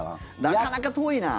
なかなか遠いな。